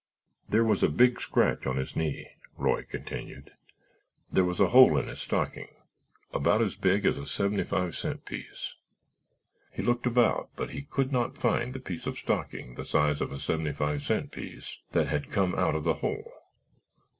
"There was a big scratch on his knee," Roy continued. "There was a hole in his stocking—about as big as a seventy five cent piece. He looked about but could not find the piece of stocking the size of a seventy five cent piece that had come out of the hole.